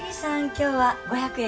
今日は５００円